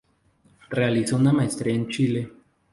Realizó una maestría en Chile.